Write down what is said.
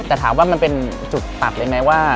แต่ถามว่ามันเป็นจุดตัดเลยไหมว่า